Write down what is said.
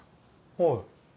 はい。